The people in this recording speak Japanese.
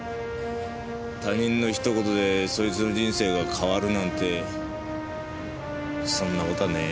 他人の一言でそいつの人生が変わるなんてそんな事はねえ。